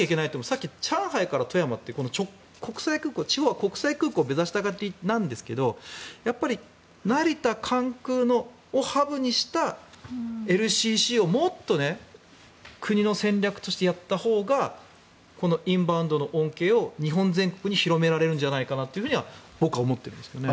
さっき、上海から富山って地方は国際空港を目指しがちなんですが成田、関空をハブにしたＬＣＣをもっと国の戦略としてやったほうがインバウンドの恩恵を日本全国に広められるんじゃないかなとは僕は思ってるんですけどね。